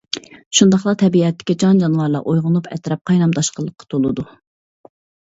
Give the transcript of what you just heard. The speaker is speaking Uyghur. شۇنداقلا تەبىئەتتىكى جان- جانىۋارلار ئويغىنىپ ئەتراپ قاينام- تاشقىنلىققا تولىدۇ.